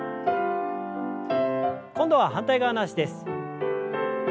今度は反対側の脚です。